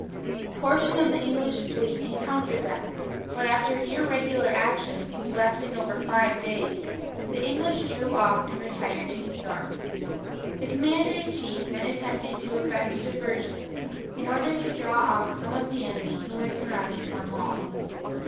A portion of the English fleet encountered them, but after irregular actions, lasting over five days, the English drew off and retired to New York. The commander in chief then attempted to effect a diversion, in order to draw off some of the enemy who were surrounding Cornwallis.